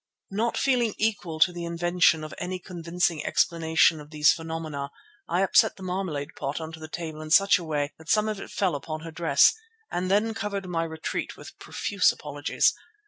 Not feeling equal to the invention of any convincing explanation of these phenomena, I upset the marmalade pot on to the table in such a way that some of it fell upon her dress, and then covered my retreat with profuse apologies.